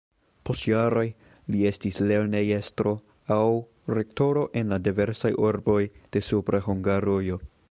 Post jaroj li estis lernejestro aŭ rektoro en diversaj urboj de Supra Hungarujo.